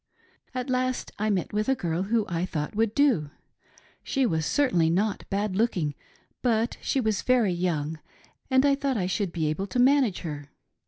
At last I met with a girl who I thought would do. She was certainly not bad looking, but she was very young and I thought I should be able to manage her.